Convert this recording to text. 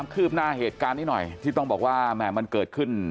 คืบหน้าเหตุการณ์นี้หน่อยที่ต้องบอกว่าแหม่มันเกิดขึ้น